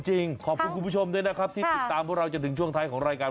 ขอบคุณคุณผู้ชมด้วยนะครับที่ติดตามพวกเราจนถึงช่วงท้ายของรายการ